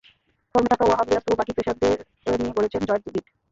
ফর্মে থাকা ওয়াহাব রিয়াজ তবু বাকি পেসারদের নিয়ে গড়ে দিয়েছেন জয়ের ভিত।